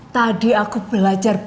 tadi aku belajar